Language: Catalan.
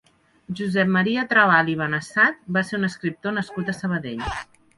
Josep Maria Trabal i Benessat va ser un escriptor nascut a Sabadell.